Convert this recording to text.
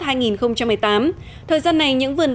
thời gian này những vườn cây trẻ những vườn cây trẻ những vườn cây trẻ